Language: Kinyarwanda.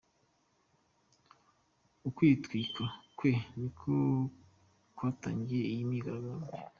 Ukwitwika kwe niko kwatangije iyi myigaragambyo.